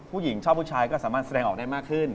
ผู้หญิงชอบผู้ชายก็สามารถแสดงออกได้มากขึ้น